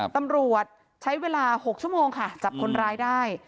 ตำรวจใช้เวลา๖ชั่วโมงค่ะจับคนร้ายได้